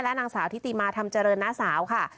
นางสาวทิติมาธรรมเจริญน้าสาวค่ะ